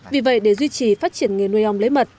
vì vậy để duy trì phát triển nghề nuôi ong lấy mật